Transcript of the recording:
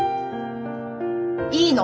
いいの！？